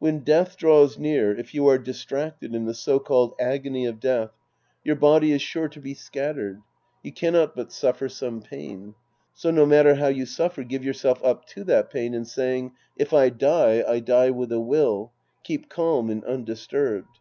When death draws near, if you are dis tracted in the sp<:alled agony of (Jeath, your body is Sc. II The Priest and His Disciples 225 sure to be scattered. You cannot but sufifer some pain. So no matter how you suffer, give yourself up to that pain and, saying, " If I die, I die with a will," keep calm and undisturbed.